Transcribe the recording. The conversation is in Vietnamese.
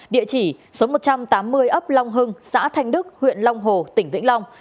địa chỉ số một trăm tám mươi ấp long hưng xã thanh đức huyện long hồ tỉnh vĩnh long